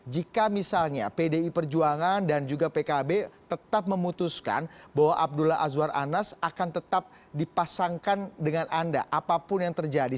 jika misalnya pdi perjuangan dan juga pkb tetap memutuskan bahwa abdullah azwar anas akan tetap dipasangkan dengan anda apapun yang terjadi